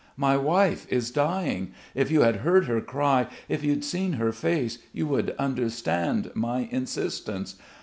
My wife is dying. If you had heard her cry, if you'd seen her face, you would understand my insistence!